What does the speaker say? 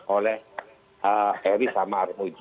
oleh eri sama armuji